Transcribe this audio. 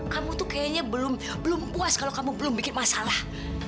kamu tuh kayaknya belum puas kalau kamu belum bikin masalah